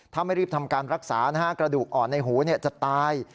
ถ้าไม่รีบทำการรักษานะฮะกระดูกอ่อนในหูจะตาย